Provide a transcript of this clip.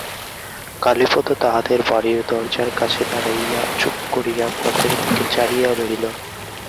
কালীপদ তাহাদের বাড়ির দরজার কাছে দাঁড়াইয়া চুপ করিয়া পথের দিকে চাহিয়া রহিল।